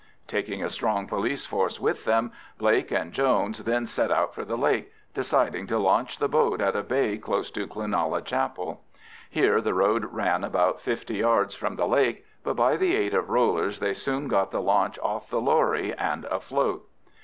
Taking a strong police force with them, Blake and Jones then set out for the lake, deciding to launch the boat at a bay close to Cloonalla chapel. Here the road ran about fifty yards from the lake, but by the aid of rollers they soon got the launch off the lorry and afloat.